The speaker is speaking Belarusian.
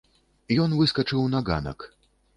Ён выскачыў на ганак.